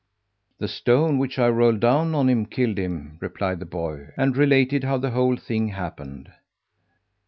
"The stone which I rolled down on him killed him," replied the boy, and related how the whole thing happened.